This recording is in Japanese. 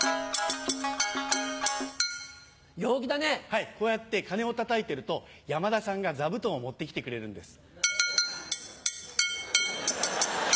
はいこうやって鉦をたたいてると山田さんが座布団を持ってきてくれるんです。